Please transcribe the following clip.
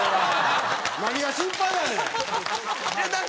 何が心配やねん！